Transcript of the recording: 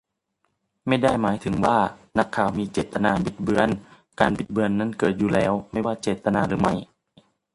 ไม่ได้หมายถึงว่า นักข่าวมีเจตนาบิดเบือน การบิดเบือนนั้นเกิดอยู่แล้ว ไม่ว่าเจตนาหรือไม่